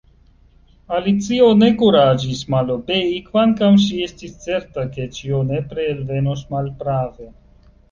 Alicio ne kuraĝis malobei, kvankam ŝi estis certa ke ĉio nepre elvenos malprave.